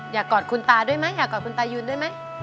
กอดคุณตาด้วยไหมอยากกอดคุณตายูนด้วยไหม